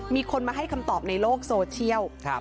มีคนมาให้คำตอบในโลกโซเชียล